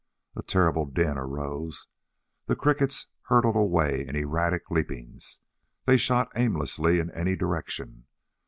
A terrible din arose. The crickets hurtled away in erratic leapings. They shot aimlessly in any direction.